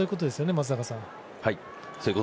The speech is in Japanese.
松坂さん。